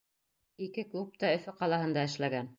Ике клуб та Өфө ҡалаһында эшләгән.